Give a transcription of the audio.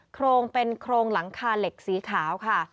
โครงเป็นโครงหลังคาเหล็กสีขาวค่ะ